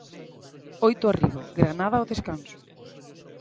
Oito arriba Granada ao descanso.